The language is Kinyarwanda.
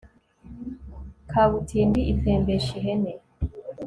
kabutindi itembesha ihene